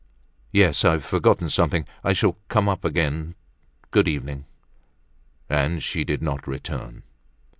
"Yes; I've forgotten something. I shall come up again. Good evening." And she did not return.